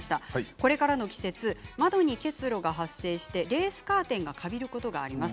これからの季節、窓に結露が発生してレースカーテンがカビることがあります。